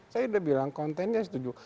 saya udah bilang kontennya setuju